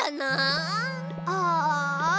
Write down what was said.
ああ。